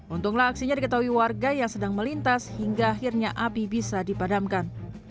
untunglah aksinya diketahui warga yang sedang melintas hingga akhirnya api bisa dipadamkan